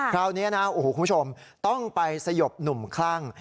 คราวนี้นะโอ้โหคุณผู้ชมต้องไปสยบหนุ่มคลั่ง